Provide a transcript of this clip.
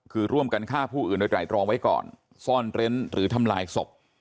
คือร่วมกันฆ่าผู้อื่นโดยไตรรองไว้ก่อนซ่อนเร้นหรือทำลายศพ